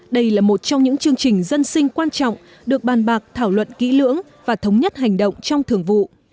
đây là một trong những chương trình dân sinh quan trọng được bàn bạc thảo luận kỹ lưỡng và thống nhất hành động trong thường vụ